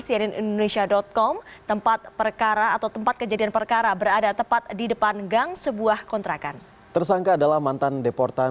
kedua terduga teroris juga pernah mengikuti pelatihan